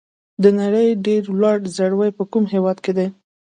د نړۍ ډېر لوړ ځړوی په کوم هېواد کې دی؟